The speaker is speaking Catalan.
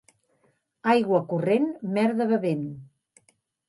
Aigua corrent, merda bevent.